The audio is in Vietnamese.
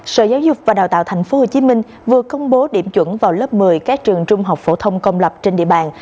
sở giáo dục và đào tạo tp hcm vừa công bố điểm chuẩn vào lớp một mươi các trường trung học phổ thông công lập trên địa bàn